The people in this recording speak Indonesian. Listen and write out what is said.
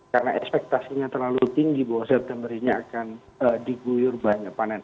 karena ekspektasinya terlalu tinggi bahwa september ini akan diguyur banyak panen